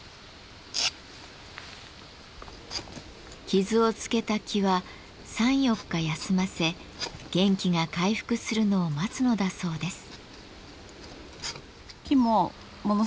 傷をつけた木は３４日休ませ元気が回復するのを待つのだそうです。